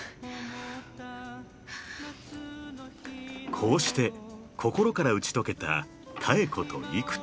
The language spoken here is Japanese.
［こうして心から打ち解けた妙子と育田］